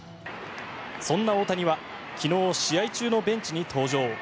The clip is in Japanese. そんな大谷は昨日、試合中のベンチに登場。